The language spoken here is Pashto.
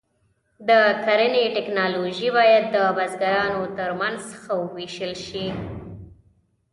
د کرنې ټکنالوژي باید د بزګرانو تر منځ ښه وویشل شي.